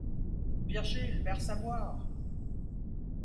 Virgile, verse à boire!